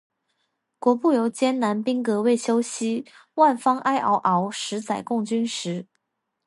国步犹艰难，兵革未休息。万方哀嗷嗷，十载供军食。